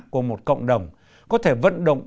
của một cộng đồng có thể vận động